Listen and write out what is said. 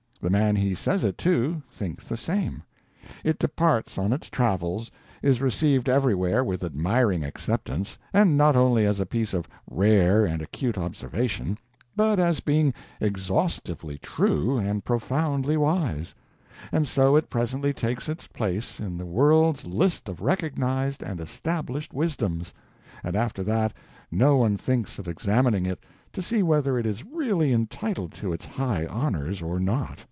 The man he says it to, thinks the same. It departs on its travels, is received everywhere with admiring acceptance, and not only as a piece of rare and acute observation, but as being exhaustively true and profoundly wise; and so it presently takes its place in the world's list of recognized and established wisdoms, and after that no one thinks of examining it to see whether it is really entitled to its high honors or not.